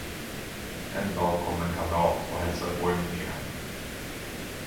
En dag kom en kamrat och hälsade på i mitt nya hem.